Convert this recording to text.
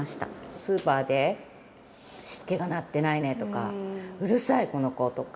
スーパーで、しつけがなってないねとか、うるさい、この子とか。